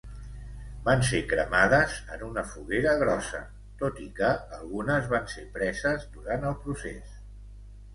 Van ser cremades en una foguera grossa, tot i que algunes van ser preses durant el procés.